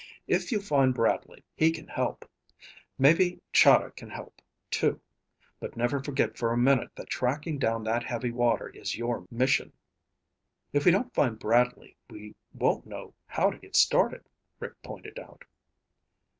If you find Bradley, he can help. Maybe Chahda can help, too. But never forget for a minute that tracking down that heavy water is your mission." "If we don't find Bradley, we won't know how to get started," Rick pointed out.